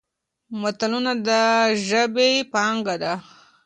متلونه د ژبې پانګه ده.